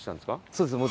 そうですね。